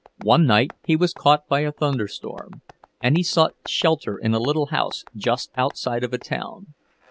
One night he was caught by a thunderstorm, and he sought shelter in a little house just outside of a town.